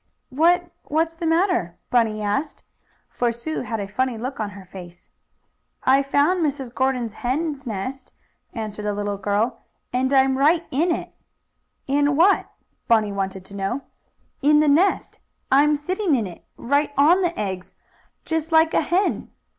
"What what's the matter?" Bunny asked, for Sue had a funny look on her face. "I found Mrs. Gordon's hen's nest," answered the little girl, "and I'm right in it!" "In what?" Bunny wanted to know. "In the nest. I'm sitting in it right on the eggs, just like a hen.